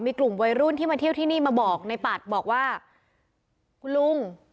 มีกลุ่มวัยรุ่นที่มาเที่ยวที่นี่มาบอกในปัดบอกว่าคุณลุง